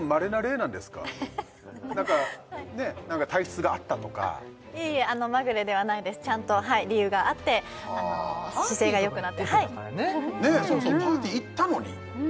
なんか体質が合ったとかいえいえまぐれではないですちゃんと理由があって姿勢がよくなってパーティーとか行ってたからねねえ